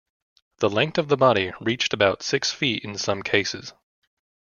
The length of the body reached about six feet in some cases.